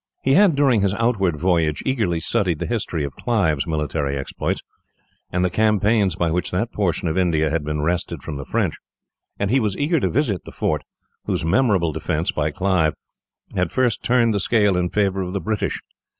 He had, during his outward voyage, eagerly studied the history of Clive's military exploits, and the campaigns by which that portion of India had been wrested from the French; and he was eager to visit the fort, whose memorable defence, by Clive, had first turned the scale in favour of the British.